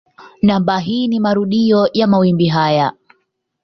Namba hii ni marudio ya mawimbi haya.